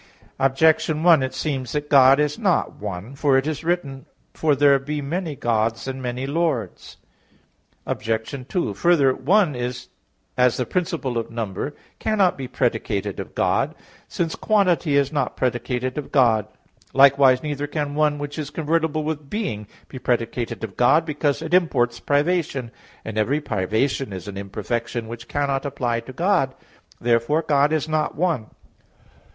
Objection 1: It seems that God is not one. For it is written "For there be many gods and many lords" (1 Cor. 8:5). Obj. 2: Further, "One," as the principle of number, cannot be predicated of God, since quantity is not predicated of God; likewise, neither can "one" which is convertible with "being" be predicated of God, because it imports privation, and every privation is an imperfection, which cannot apply to God. Therefore God is not one.